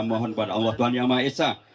mohon kepada allah tuhan yang maha esa